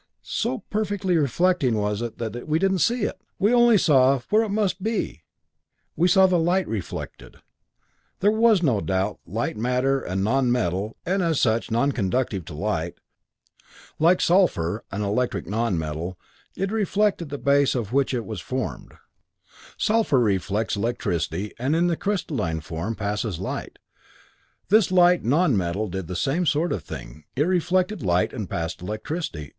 So perfectly reflecting it was that we didn't see it. We only saw where it must be; we saw the light it reflected. That was no doubt light matter, a non metal, and as such, non conductive to light. Like sulphur, an electric non metal, it reflected the base of which it was formed. Sulphur reflects the base of which it was formed. Sulphur reflects electricity and in the crystalline form passes light. This light non metal did the same sort of thing; it reflected light and passed electricity.